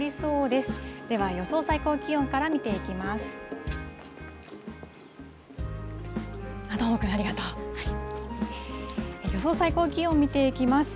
では、予想最高気温から見ていきます。